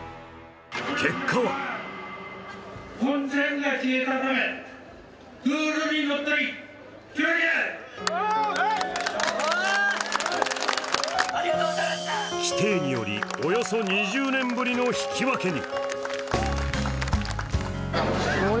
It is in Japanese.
結果は規定により、およそ２０年ぶりの引き分けに。